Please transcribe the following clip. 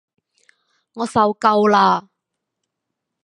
我受夠啦